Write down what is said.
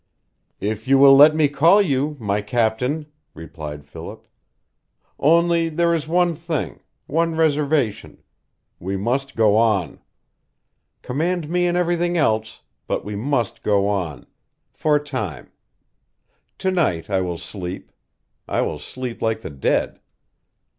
"If you will let me call you my captain," replied Philip. "Only there is one thing one reservation. We must go on. Command me in everything else, but we must go on for a time. To night I will sleep. I will sleep like the dead.